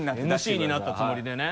ＭＣになったつもりでね。